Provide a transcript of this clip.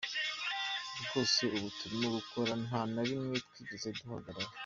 Rwose ubu turimo gukora nta na rimwe twigeze duhagarara”.